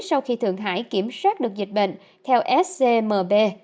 sau khi thượng hải kiểm soát được dịch bệnh theo scmb